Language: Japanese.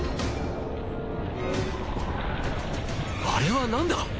あれは何だ！？